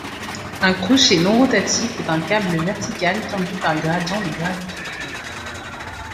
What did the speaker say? Une crochet non rotatif est un câble vertical tendu par gradient de gravité.